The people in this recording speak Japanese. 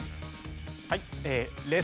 はい。